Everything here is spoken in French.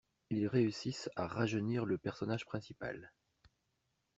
Ils réussissent à rajeunir le personnage principal.